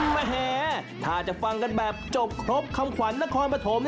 แหมถ้าจะฟังกันแบบจบครบคำขวัญนครปฐม